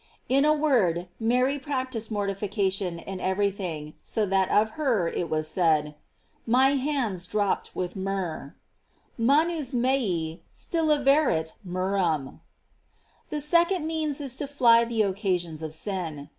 * In a word, Mary practis ed mortification in every thing, so that of her it was said: My hands dropped with myrrh: "Man us mese still averunt myrrh am. "f The second means is to fly the occasions of sin.